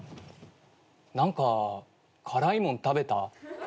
何か辛いもん食べた？